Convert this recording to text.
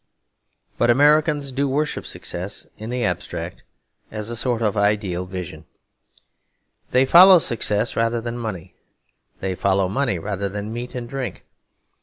But Americans do worship success in the abstract, as a sort of ideal vision. They follow success rather than money; they follow money rather than meat and drink.